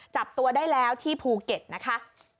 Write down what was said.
จับตัวได้แล้วที่ภูเก็ตนะคะ